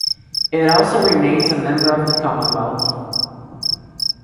It also remains a member of the Commonwealth.